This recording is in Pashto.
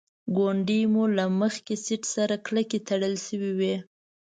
ګونډې مو له مخکې سیټ سره کلکې تړل شوې وې.